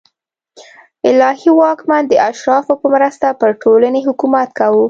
الهي واکمن د اشرافو په مرسته پر ټولنې حکومت کاوه